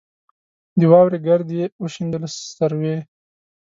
د واورې ګرد یې وشینده له سروې